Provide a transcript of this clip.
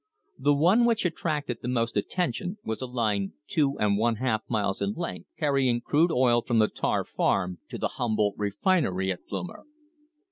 The one which attracted the most attention was a line two and one half miles in length carrying crude oil from the Tarr farm to the Humboldt refinery at Plumer.